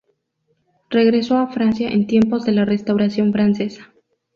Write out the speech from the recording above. Regresó a Francia en tiempos de la Restauración Francesa.